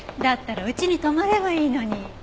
だったらうちに泊まればいいのに。